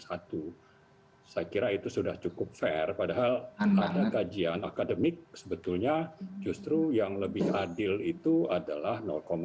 saya kira itu sudah cukup fair padahal ada kajian akademik sebetulnya justru yang lebih adil itu adalah